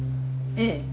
ええ。